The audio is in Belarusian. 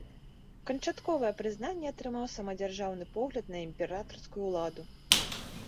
Канчатковае прызнанне атрымаў самадзяржаўны погляд на імператарскую ўладу.